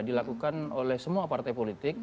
dilakukan oleh semua partai politik